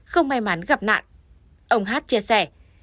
không may mắn gặp nạn ông hát chia sẻ